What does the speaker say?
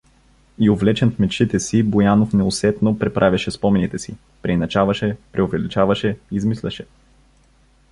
И увлечен в мечтите си, Боянов неусетно преправяше спомените си, преиначаваше, преувеличаваше, измисляше.